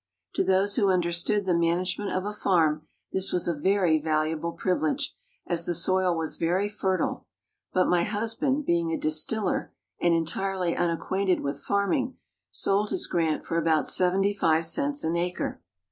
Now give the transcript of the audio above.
To those who understood the management of a farm this was a very valuable privilege, as the soil was very fertile, but my husband, being a distiller and entirely unacquainted with farming, sold his grant for about seventy five cents an acre.